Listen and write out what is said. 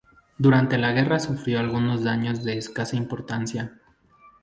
Durante la guerra sufrió algunos daños de escasa importancia.